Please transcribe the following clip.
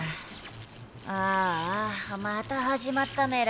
ああまたはじまったメラ。